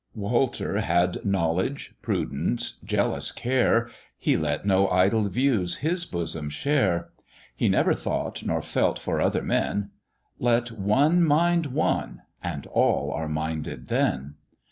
Walter had knowledge, prudence, jealous care; He let no idle views his bosom share; He never thought nor felt for other men "Let one mind one, and all are minded then."